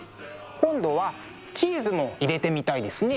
今度はチーズも入れてみたいですね。